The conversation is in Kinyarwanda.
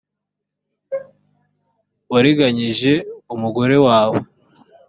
wariganyije umugore wawe